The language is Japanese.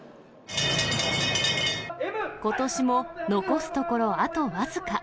ことしも残すところ、あと僅か。